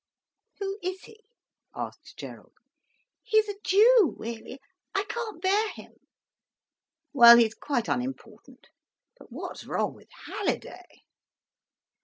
"Who is he?" asked Gerald. "He's a Jew, really. I can't bear him." "Well, he's quite unimportant. But what's wrong with Halliday?"